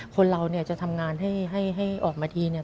คนเราเนี่ยจะทำงานให้ออกมาทีเนี่ย